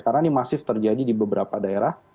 karena ini masih terjadi di beberapa daerah